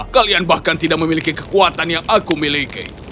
kalian bahkan tidak memiliki kekuatan yang aku miliki